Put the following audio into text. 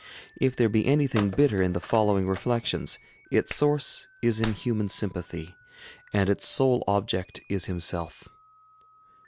If there be anything bitter in the following reflections, its source is in human sympathy, and its sole object is himself.